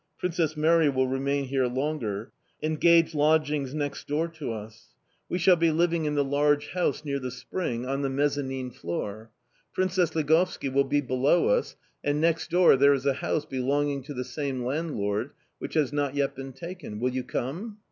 Princess Mary will remain here longer. Engage lodgings next door to us. We shall be living in the large house near the spring, on the mezzanine floor. Princess Ligovski will be below us, and next door there is a house belonging to the same landlord, which has not yet been taken... Will you come?"...